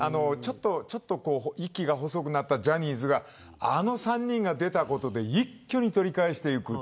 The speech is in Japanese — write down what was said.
ちょっと息が細くなったジャニーズがあの３人が出たことで一挙に取り返していく。